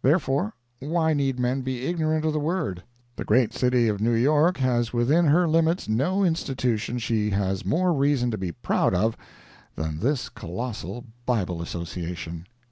Therefore, why need men be ignorant of the Word? The great city of New York has within her limits no institution she has more reason to be proud of than this colossal Bible Association.